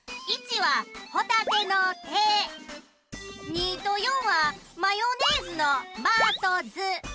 ２と４はマヨネーズの「ま」と「ず」。